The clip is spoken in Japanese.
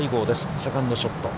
セカンドショット。